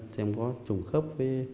xem có trùng khớp với